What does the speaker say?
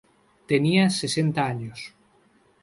Tenía sesenta años.